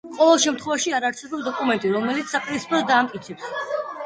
ყოველ შემთხვევაში, არ არსებობს დოკუმენტი, რომელიც საპირისპიროს დაამტკიცებს.